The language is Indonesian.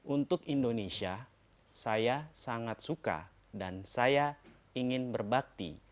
untuk indonesia saya sangat suka dan saya ingin berbakti